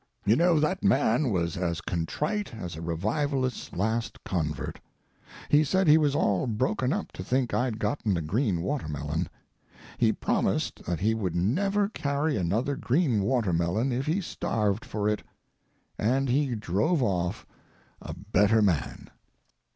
You know that man was as contrite as a revivalist's last convert. He said he was all broken up to think I'd gotten a green watermelon. He promised that he would never carry another green watermelon if he starved for it. And he drove off—a better man.